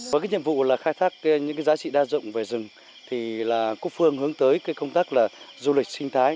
với cái nhiệm vụ là khai thác những cái giá trị đa dụng về rừng thì là cúc phương hướng tới cái công tác là du lịch sinh thái